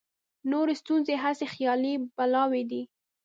نورې ستونزې هسې خیالي بلاوې دي.